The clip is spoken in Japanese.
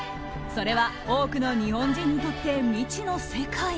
それは多くの日本人にとって未知の世界。